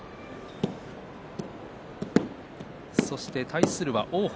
そして対するは王鵬。